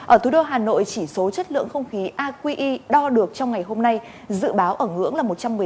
ở thủ đô hà nội chỉ số chất lượng không khí aqi đo được trong ngày hôm nay dự báo ở ngưỡng là một trăm một mươi ba